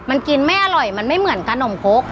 มันกินไม่อร่อยมันไม่เหมือนขนมคก